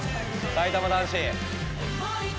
さいたま男子。